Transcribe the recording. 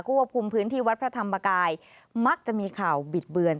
ควบคุมพื้นที่วัดพระธรรมกายมักจะมีข่าวบิดเบือน